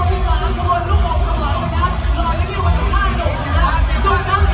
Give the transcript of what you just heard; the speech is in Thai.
รอยนี้อยู่วันที่๕โดมนะครับสุดท้ายสวัสดี